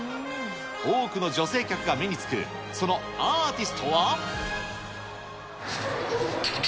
多くの女性客が目につくそのアーティストは。